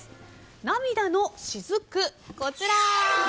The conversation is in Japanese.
涙のしずく、こちら。